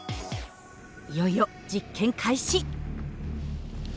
いよいよ実験開始！